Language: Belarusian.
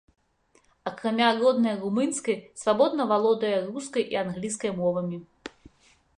Акрамя роднай румынскай, свабодна валодае рускай і англійскай мовамі.